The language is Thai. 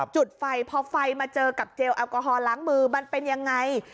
จุดไฟพอไฟมาเจอกับเจลแอลกอฮอลล้างมือมันเป็นยังไง